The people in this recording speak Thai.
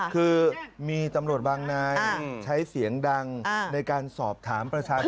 คือมีตำรวจบางนายใช้เสียงดังในการสอบถามประชาชน